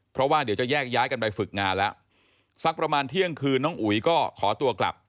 เพราะว่าเดี๋ยวจะแยกย้ายกันไปฝึกงานแล้วสักประมาณเที่ยงคืนน้องอุ๋ยก็ขอตัวกลับ